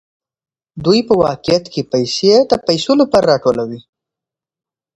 دوی په واقعیت کې پیسې د پیسو لپاره راټولوي